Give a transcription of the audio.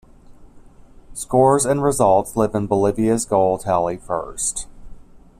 "Scores and results list Bolivia's goal tally first"